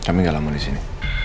kami enggak laman di sini